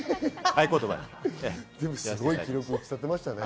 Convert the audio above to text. すごい記録を打ち立てましたね。